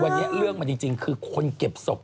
วันนี้เรื่องมันจริงคือคนเก็บศพ